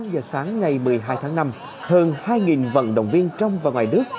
tám giờ sáng ngày một mươi hai tháng năm hơn hai vận động viên trong và ngoài nước